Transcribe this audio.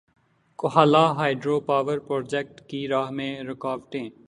Kohala hydro power project کی راہ میں رکاوٹیں